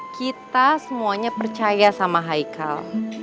kita semuanya percaya sama haikal